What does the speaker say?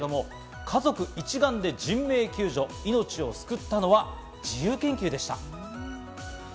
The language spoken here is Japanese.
家族一丸で人命救助、命を救ったのは自由研究でした。